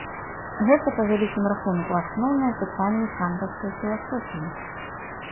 Гэта, па вялікім рахунку, асноўнае пытанне кантаўскай філасофіі.